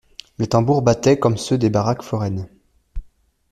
Les tambours battaient comme ceux des baraques foraines.